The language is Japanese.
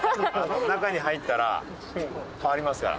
中に入ったら変わりますから。